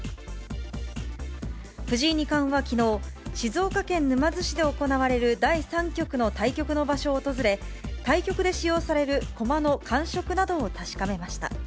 藤井二冠はきのう、静岡県沼津市で行われる第３局の対局の場所を訪れ、対局で使用される駒の感触などを確かめました。